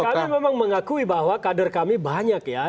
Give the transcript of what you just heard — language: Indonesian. kami memang mengakui bahwa kader kami banyak ya